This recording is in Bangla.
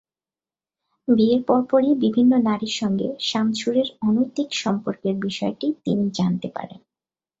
বিয়ের পরপরই বিভিন্ন নারীর সঙ্গে শামছুরের অনৈতিক সম্পর্কের বিষয়টি তিনি জানতে পারেন।